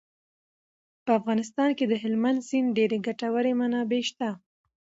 په افغانستان کې د هلمند سیند ډېرې ګټورې منابع شته.